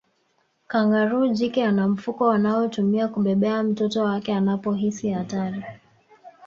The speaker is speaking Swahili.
Kangaroo jike ana mfuko anaotumia kubebea mtoto wake anapohisi hatari